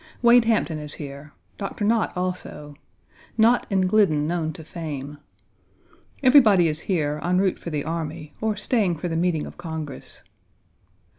Wade Hampton is here; Doctor Nott also Nott and Glyddon known to fame. Everybody is here, en route for the army, or staying for the meeting of Congress.